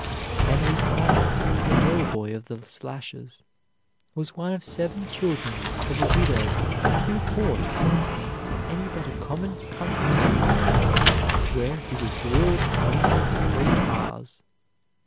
Henry Clay, the "mill boy of the slashes," was one of seven children of a widow too poor to send him to any but a common country school, where he was drilled only in the "three R's."